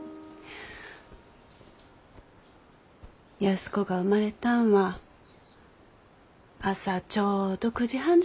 安子が生まれたんは朝ちょうど９時半じゃった。